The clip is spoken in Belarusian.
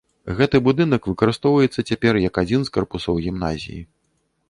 Гэты будынак выкарыстоўваецца цяпер як адзін з карпусоў гімназіі.